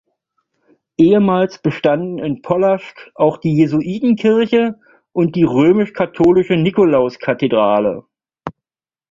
Ehemals bestanden in Polazk auch die Jesuitenkirche und die römisch-katholische Nikolaus-Kathedrale.